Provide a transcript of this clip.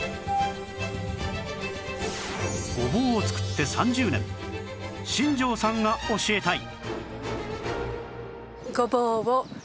ごぼうを作って３０年新城さんが教えたい